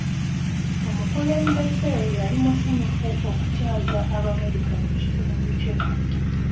Omukulembeze yali musanyufu okukyaza Abamerica mu kitundu kye.